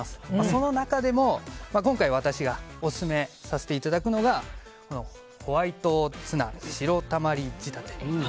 その中でも今回、私がオススメさせていただくのがホワイトツナ白たまり仕立て。